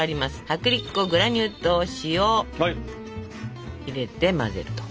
薄力粉グラニュー糖塩入れて混ぜると。